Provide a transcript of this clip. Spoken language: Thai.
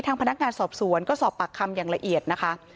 พนักงานสอบสวนก็สอบปากคำอย่างละเอียดนะคะ